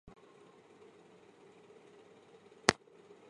阿姆斯特丹新西区是荷兰阿姆斯特丹的一个行政区划。